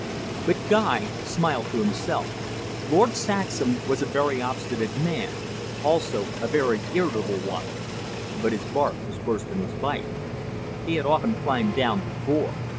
But Guy smiled to himself. Lord Saxham was a very obstinate man, also a very irritable one. But his bark was worse than his bite. He had often climbed down before.